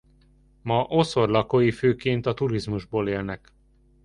Ma Osor lakói főként a turizmusból élnek.